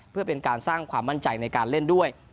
เพื่อเป็นการสร้างความมั่นใจในการเล่นด้วย